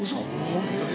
ホントに。